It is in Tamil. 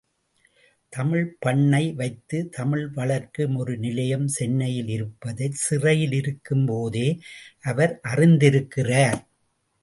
தமிழ்ப் பண்ணை வைத்து தமிழ் வளர்க்கும் ஒரு நிலையம் சென்னையில் இருப்பதைச் சிறையிலிருக்கும் போதே அவர் அறிந்திருக்கிறார்.